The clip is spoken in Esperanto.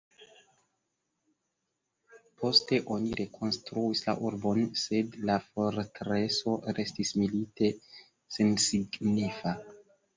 Poste oni rekonstruis la urbon, sed la fortreso restis milite sensignifa.